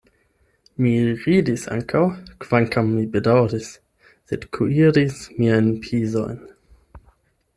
Mi ridis ankaŭ, kvankam mi bedaŭris, sed kuiris miajn pizojn.